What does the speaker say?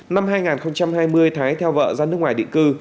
năm hai nghìn hai mươi thái theo vợ ra nước ngoài định cư